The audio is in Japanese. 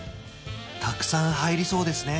たくさん入りそうですね